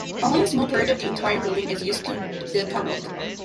Only a small part of the entire building is used by the public.